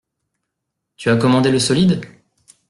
Tu as commandé le solide ?